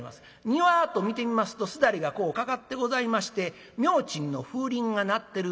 庭はと見てみますとすだれがこうかかってございまして明珍の風鈴が鳴ってる。